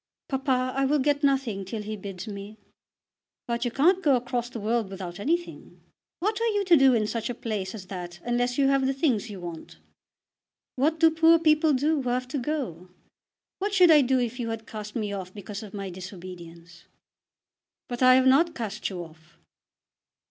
"Papa, I will get nothing till he bids me." "But you can't go across the world without anything. What are you to do in such a place as that unless you have the things you want?" "What do poor people do who have to go? What should I do if you had cast me off because of my disobedience?" "But I have not cast you off."